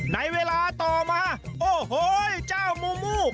ในเวลาต่อมาโอ้โหเจ้ามูมู